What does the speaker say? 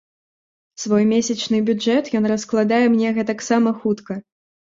Свой месячны бюджэт ён раскладае мне гэтаксама хутка.